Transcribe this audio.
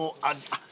あっ。